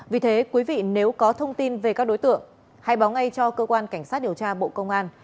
vì thế quý vị nếu có thông tin về các đối tượng hãy báo ngay cho cơ quan cảnh sát điều tra bộ công an